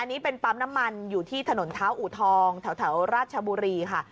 อันนี้เป็นปั๊มน้ำมันอยู่ที่ถนนเท้าอูทองแถวราชบุรีค่ะ